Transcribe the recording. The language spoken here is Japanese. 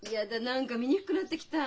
何か見にくくなってきた。